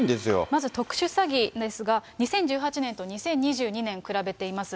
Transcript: まず特殊詐欺ですが、２０１８年と２０２２年を比べています。